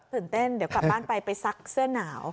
ตื่นเต้นเดี๋ยวกลับบ้านไปไปซักเสื้อหนาว